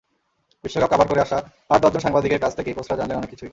বিশ্বকাপ কাভার করে আসা আট-দশজন সাংবাদিকের কাছ থেকে কোচরা জানলেন অনেক কিছুই।